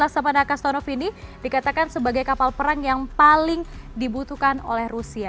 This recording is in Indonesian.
laksamana kastonov ini dikatakan sebagai kapal perang yang paling dibutuhkan oleh rusia